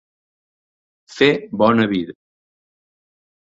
Fer bona vida.